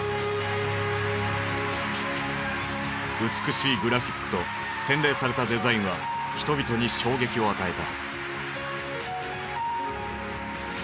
美しいグラフィックと洗練されたデザインは人々に衝撃を与えた。